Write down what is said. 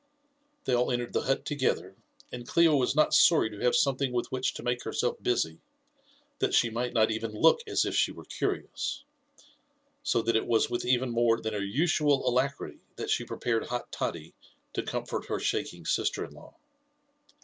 They all entered the hut together, and Clio was not sorry to have something with which to make herself busy, that she might not even look as if she were curious ; so that it was with even more than her usual alacrity that she prepared hot toddy to comfort her shaking sister in law.